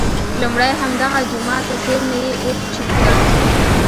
لومړی همدغه جوما ته څېرمه یې اوښ چوک کړ.